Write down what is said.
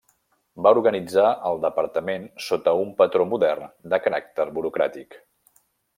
Va organitzar el Departament sota un patró modern de caràcter burocràtic.